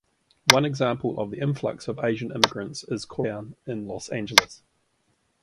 One example of the influx of Asian immigrants is Koreatown in Los Angeles.